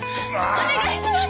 お願いします